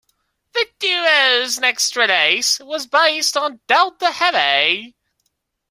The duo's next release was based on "Delta Heavy".